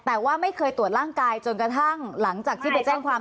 แต่ว่าไม่เคยตรวจร่างกายจนกระทั่งหลังจากที่ไปแจ้งความ